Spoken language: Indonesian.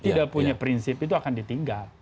tidak punya prinsip itu akan ditinggal